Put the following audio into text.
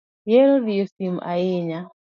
Ihero diyo simu ahinya.